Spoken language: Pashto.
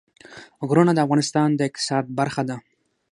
غرونه د افغانستان د اقتصاد برخه ده.